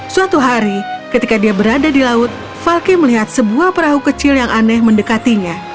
suatu hari ketika dia berada di laut falky melihat sebuah perahu kecil yang aneh mendekatinya